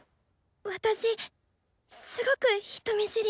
私すごく人見知りで。